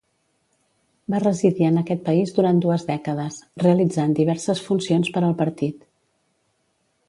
Va residir en aquest país durant dues dècades, realitzant diverses funcions per al partit.